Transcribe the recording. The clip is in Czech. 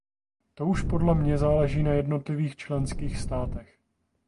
To už podle mě záleží na jednotlivých členských státech.